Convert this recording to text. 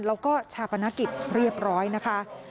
แล้วก็ชาปนกิจเรียบร้อยนะคะ